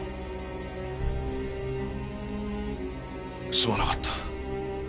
すまなかった。